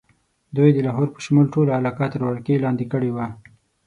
دوی د لاهور په شمول ټوله علاقه تر ولکې لاندې کړې وه.